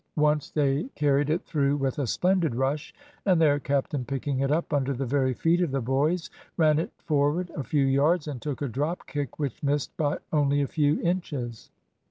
Once they carried it through with a splendid rush, and their captain picking it up under the very feet of the boys, ran it forward a few yards, and took a drop kick which missed by only a few inches.